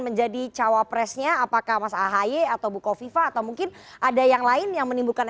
menjadi cawapresa nya apakah masa haye atau buko viva atau mungkin ada yang lain yang menimbulkan